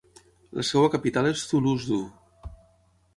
La seva capital és Thulusdoo.